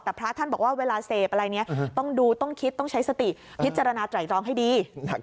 แต่พระท่านบอกว่าเวลาเสพอะไรเนี่ยต้องดูต้องคิดต้องใช้สติพิจารณาไตรตรองให้ดี